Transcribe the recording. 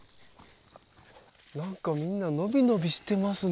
なんかみんな伸び伸びしてますね。